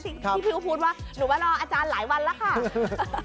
ที่พี่ก็พูดว่าหนูมารออาจารย์หลายวันแล้วค่ะ